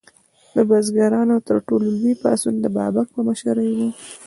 د بزګرانو تر ټولو لوی پاڅون د بابک په مشرۍ و.